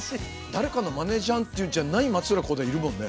誰かのマネじゃんっていうんじゃない松浦航大いるもんね。